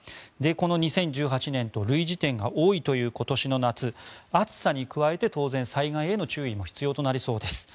この２０１８年と類似点が多いという今年の夏暑さに加えて当然、災害への注意も必要となりそうです。